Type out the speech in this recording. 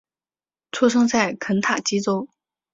出生在肯塔基州。